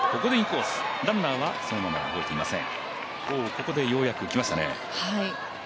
ここでようやくきましたね。